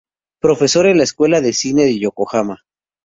Profesor en la Escuela de cine de Yokohama.